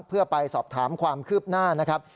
เพื่อไปสอบถามความคืบหน้านะครับ